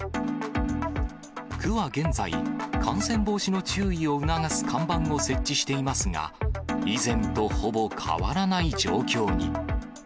区は現在、感染防止の注意を促す看板を設置していますが、以前とほぼ変わらない状況に。